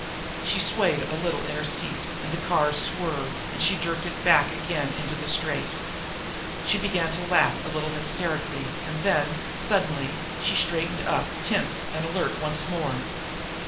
She swayed a little in her seat, and the car swerved, and she jerked it back again into the straight. She began to laugh a little hysterically and then, suddenly, she straightened up, tense and alert once more.